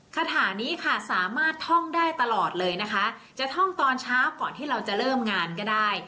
คาถานี้ค่ะสามารถท่องได้ตลอดเลยนะคะจะท่องตอนเช้าก่อนที่เราจะเริ่มงานก็ได้